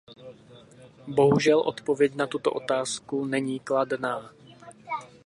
Bohužel, odpověď na tuto otázku není kladná.